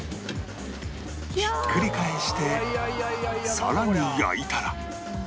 ひっくり返してさらに焼いたら